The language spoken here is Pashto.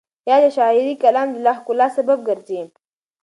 خیال د شعري کلام د لا ښکلا سبب ګرځي.